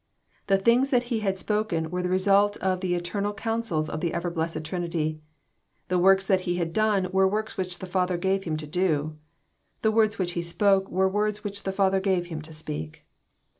The things that He had spoken were the result of the eternal counsels of the ever blessed Trinity. The works that He had done were works which the Father gave Him to do. The words which He spoke were words which the Father gave Him to speak.